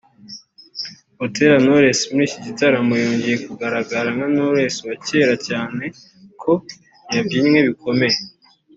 Butera knowless muri iki gitaramo yongeye kugaragara nka Knowless wa cyera cyane ko yabyinnye bikomeye